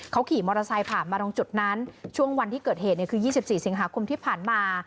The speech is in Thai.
เขาขี่มอเตอร์ไซค์ผ่านมาตรงจุดนั้นช่วงวันที่เกิดเหตุคือ๒๔สิงหาคมที่ผ่านมา